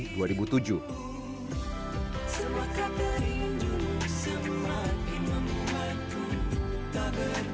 beberapa lagu lagu yang terkenal di dalam karirnya adalah